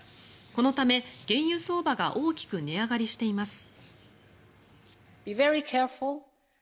このため原油相場が大きく値上がりしています。